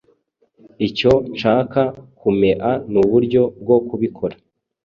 Icyo nshaka kumea nuburyo bwo kubikora.